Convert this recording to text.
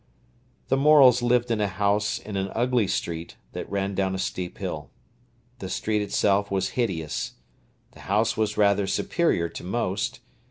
The Morels lived in a house in an ugly street that ran down a steep hill. The street itself was hideous. The house was rather superior to most.